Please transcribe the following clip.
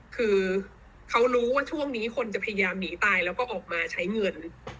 คือเขารู้ว่าช่วงนี้คนจะพยายามหนีตายแล้วก็ออกมาใช้เงิน